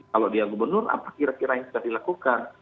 kalau dia gubernur apa kira kira yang sudah dilakukan